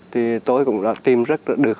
thì tôi cũng đã tìm được